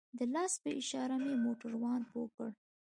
د لاس په اشاره مې موټروان پوه کړ.